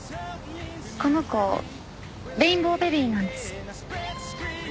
この子レインボーベビーなんです。